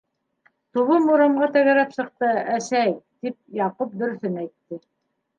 - Тубым урамға тәгәрәп сыҡты, әсәй, - тип, Яҡуп дөрөҫөн әйтте.